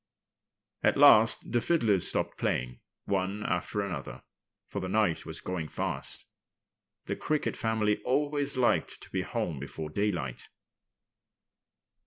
At last the fiddlers stopped playing, one after another; for the night was going fast. The Cricket family always liked to be home before daylight.